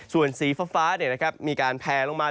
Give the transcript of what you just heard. ส่วนสีฟ้าเนี่ยนะครับมีการแพ้ลงมา